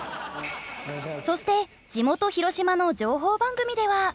そして地元広島の情報番組では。